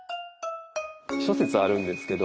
諸説あるんですけど。